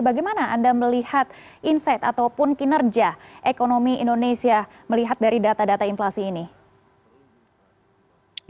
bagaimana anda melihat insight ataupun kinerja ekonomi indonesia melihat dari data data inflasi ini